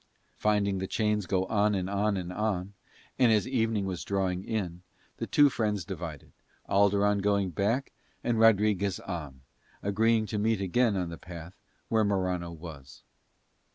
Finding the chains go on and on and on, and as evening was drawing in, the two friends divided, Alderon going back and Rodriguez on, agreeing to meet again on the path where Morano was.